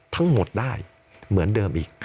ทั้งหมดได้เหมือนเดิมอีก